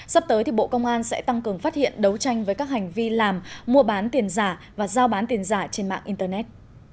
sắp tới bộ công an sẽ tăng cường phát hiện đấu tranh với các hành vi làm mua bán tiền giả và giao bán tiền giả trên mạng internet